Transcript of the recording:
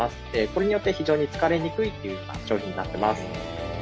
これによって非常に疲れにくいというような商品になっています。